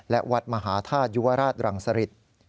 และวัดมหาธาตุยุวราชรังสริต